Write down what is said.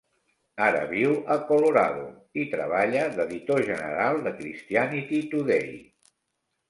Ara viu a Colorado i treballa d'editor general de "Christianity Today".